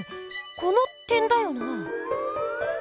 この点だよなぁ。